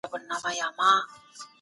د کار ځواک د کمښت ستونزه باید حل سي.